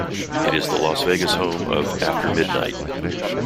It is the Las Vegas home of After Midnite.